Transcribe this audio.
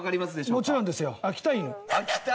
もちろんですよ秋田犬。